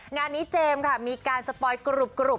งานนี้เจมส์ค่ะมีการสปอยกรุบ